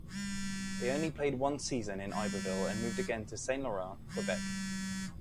They only played one season in Iberville and moved again to Saint-Laurent, Quebec.